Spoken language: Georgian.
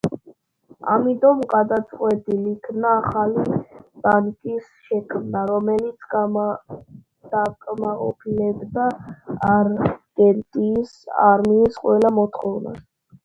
ამიტომ გადაწყვეტილ იქნა ახალი ტანკის შექმნა, რომელიც დააკმაყოფილებდა არგენტინის არმიის ყველა მოთხოვნას.